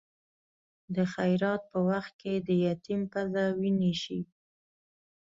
د خیرات په وخت کې د یتیم پزه وینې شي.